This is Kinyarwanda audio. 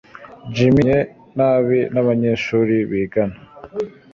Jim abanye nabi nabanyeshuri bigana.